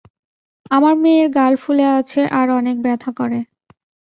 আমার মেয়ের গাল ফুলে আছে আর অনেক ব্যথা করে।